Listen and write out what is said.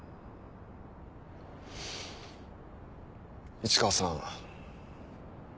市川さん。